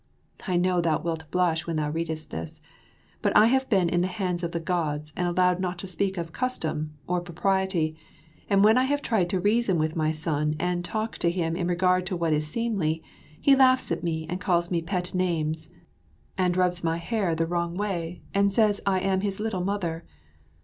I know thou wilt blush when thou readest this; but I have been in the hands of the Gods and allowed not to speak of "custom," or propriety, and when I have tried to reason with my son and talk to him in regard to what is seemly, he laughs at me and calls me pet names, and rubs my hair the wrong way and says I am his little mother.